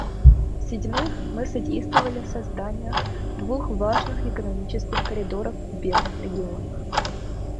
В-седьмых, мы содействовали созданию двух важных экономических коридоров в бедных регионах.